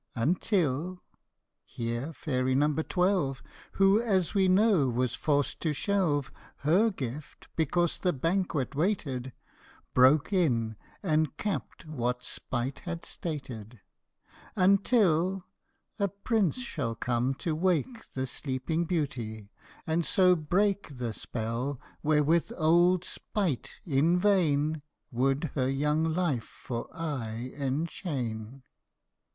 " Until " here Fairy Number Twelve, Who, as we know, was forced to shelve Her gift because the banquet waited, Broke in and capped what Spite had stated " Until a prince shall come to wake The Sleeping Beauty, and so break The spell wherewith old Spite in vain Would her young life for aye enchain